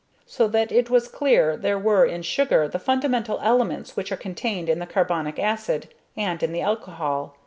So that it was clear there were in sugar the fundamental elements which are contained in the carbonic acid, and in the alcohol.